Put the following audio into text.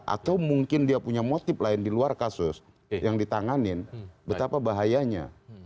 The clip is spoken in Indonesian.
atau mungkin dia punya motif lain di luar kasus yang ditanganin betapa bahayanya